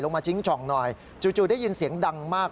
มาชิงช่องหน่อยจู่ได้ยินเสียงดังมาก